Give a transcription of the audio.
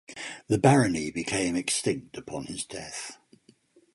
The barony became extinct upon his death.